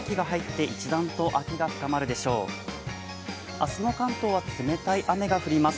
明日の関東は冷たい雨が降ります。